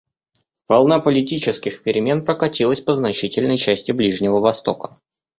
Волна политических перемен прокатилась по значительной части Ближнего Востока.